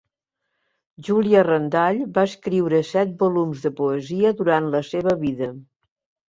Julia Randall va escriure set volums de poesia durant la seva vida.